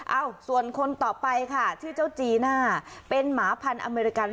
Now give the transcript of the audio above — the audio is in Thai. เอ้าส่วนคนต่อไปค่ะชื่อเจ้าจีน่าเป็นหมาพันธุ์อเมริกัน